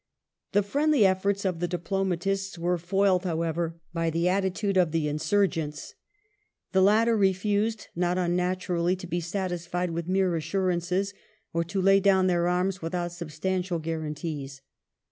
The friendly efforts of the diplomatists were foiled, however, by the attitude of the insurgents. The latter refused, not unnaturally, to be satisfied with mere assurances, or to lay down their arms without substantial guarantees.